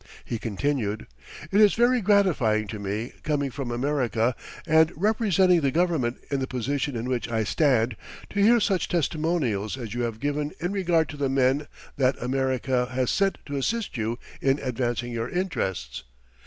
He continued: "It is very gratifying to me, coming from America, and representing the Government in the position in which I stand, to hear such testimonials as you have given in regard to the men that America has sent to assist you in advancing your interests....